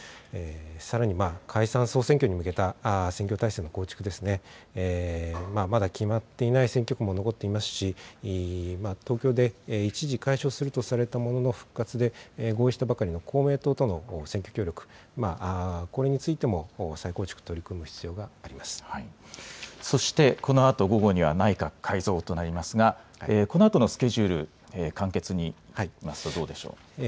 さらに解散・総選挙に向けた選挙態勢の構築ですね、まだ決まっていない選挙区も残っていますし、東京で一時解消するとされたものの、復活で合意したばかりの公明党との選挙協力、これについても再構築、そして、このあと午後には内閣改造となりますが、このあとのスケジュール、簡潔に見ますとどうでしょう。